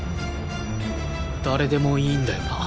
誰でもいいんだよな？